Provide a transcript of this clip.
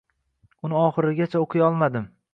Uni oxirigacha o’qiy olmadim.